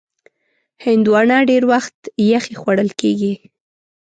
هندوانه ډېر وخت یخې خوړل کېږي.